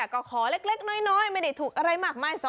ก็ขอเล็กน้อยไม่ได้ถูกอะไรมากมาย